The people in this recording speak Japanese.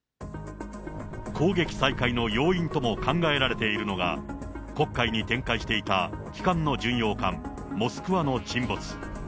攻撃再開の要因とも考えられているのが、黒海に展開していた旗艦の巡洋艦モスクワの沈没。